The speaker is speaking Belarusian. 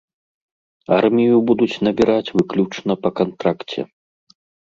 Армію будуць набіраць выключна па кантракце.